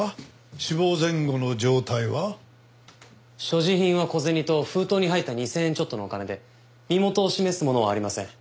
所持品は小銭と封筒に入った２０００円ちょっとのお金で身元を示すものはありません。